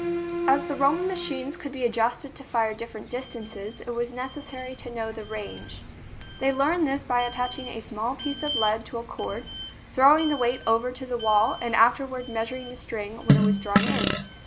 As the Roman machines could be adjusted to fire different distances, it was necessary to know the range. They learned this by attaching a small piece of lead to a cord, throwing the weight over to the wall and afterward measuring the string when it was drawn in.